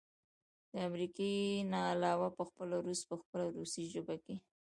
د امريکې نه علاوه پخپله روس په خپله روسۍ ژبه کښې